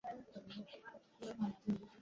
তারা তখনই মক্কার দিকে রওনা হল।